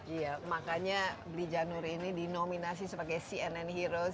iya makanya blijanur ini dinominasi sebagai cnn heroes